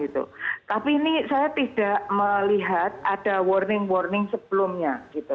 tapi ini saya tidak melihat ada warning warning sebelumnya